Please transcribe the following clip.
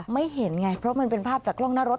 ไม่เห็นไงเพราะมันเป็นภาพจากกล้องหน้ารถ